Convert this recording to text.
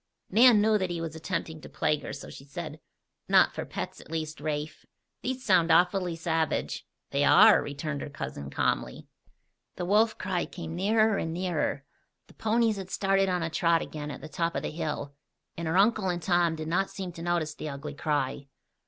Nan knew that he was attempting to plague her, so she said: "Not for pets, at least, Rafe. These sound awfully savage." "They are," returned her cousin calmly. The wolf cry came nearer and nearer. The ponies had started on a trot again at the top of the hill, and her uncle and Tom did not seem to notice the ugly cry.